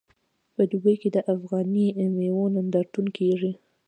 په دوبۍ کې د افغاني میوو نندارتون کیږي.